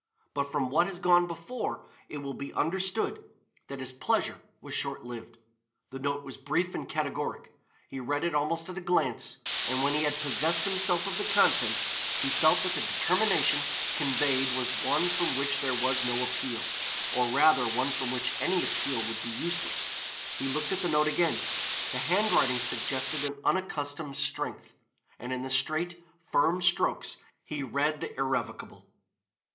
But from what has gone before it will be understood that his pleasure was short lived. The note was brief and categoric, he read it almost at a glance, and when he had possessed himself of the contents he felt that the determination conveyed was one from which there was no appeal, or rather one from which any appeal would be useless. He looked at the note again. The handwriting suggested an unaccustomed strength, and in the straight, firm strokes he read the irrevocable.